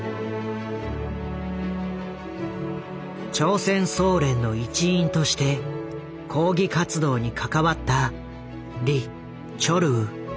朝鮮総連の一員として抗議活動に関わったリ・チョルウ。